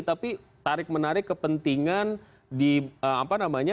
tapi tarik menarik kepentingan